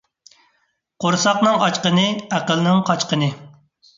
قۇرساقنىڭ ئاچقىنى – ئەقىلنىڭ قاچقىنى.